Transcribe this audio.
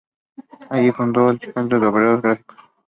Allí fundó el Sindicato de Obreros Gráficos.